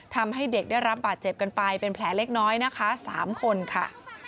ทำให้เด็กได้รับบาดเจ็บกันไปเป็นแผลเล็กน้อยนะคะ๓คนค่ะ